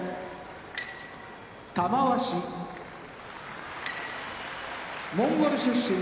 玉鷲モンゴル出身